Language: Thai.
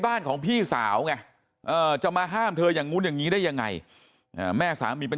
ของพี่สาวไงจะมาห้ามเธออย่างนู้นอย่างนี้ได้ยังไงแม่สามีเป็น